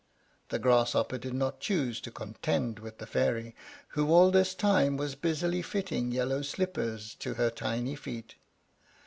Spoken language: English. The Grasshopper did not choose to contend with the Fairy, who all this time was busily fitting yellow slippers to her tiny feet.